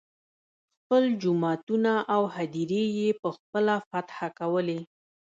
خپل جوماتونه او هدیرې یې په خپله فتحه کولې.